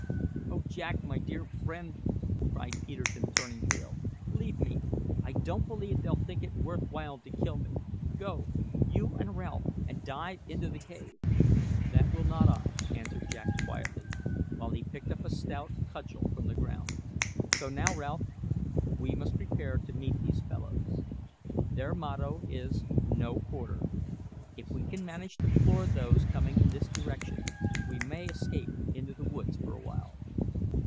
"Oh Jack, my dear friend!" cried Peterkin, turning pale, "leave me; I don't believe they'll think it worth while to kill me. Go, you and Ralph, and dive into the cave." "That will not I," answered Jack quietly, while he picked up a stout cudgel from the ground. "So now, Ralph, we must prepare to meet these fellows. Their motto is `No quarter.' If we can manage to floor those coming in this direction, we may escape into the woods for a while."